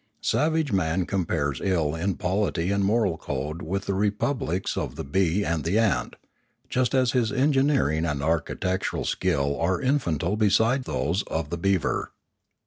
Savage man compares ill in polity and moral code with the repub lics of the bee and the ant, just as his engineering and architectural skill are infantile beside those of the beaver.